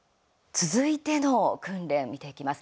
続いての訓練見ていきます。